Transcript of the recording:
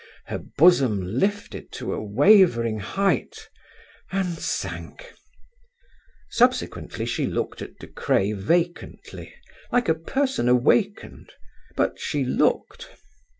Her bosom lifted to a wavering height and sank. Subsequently she looked at De Craye vacantly, like a person awakened, but she looked.